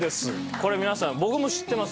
これ皆さん僕も知ってます